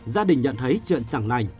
gia đình nhận thấy chuyện chẳng lành